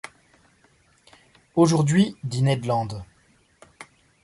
Aujourd’hui, dit Ned Land.